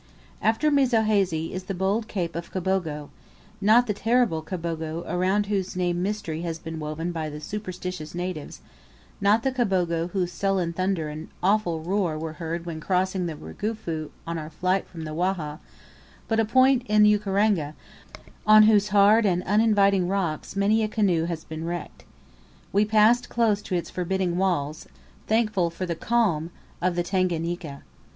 After Mizohazy is the bold cape of Kabogo not the terrible Kabogo around whose name mystery has been woven by the superstitious natives not the Kabogo whose sullen thunder and awful roar were heard when crossing the Rugufu on our flight from the Wahha but a point in Ukaranga, on whose hard and uninviting rocks many a canoe has been wrecked. We passed close to its forbidding walls, thankful for the calm of the Tanganika.